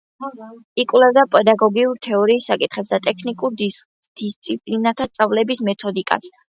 იკვლევდა პედაგოგიურ თეორიის საკითხებს და ტექნიკურ დისციპლინათა სწავლების მეთოდიკას.